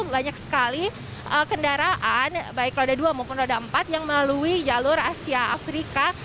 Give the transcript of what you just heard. banyak sekali kendaraan baik roda dua maupun roda empat yang melalui jalur asia afrika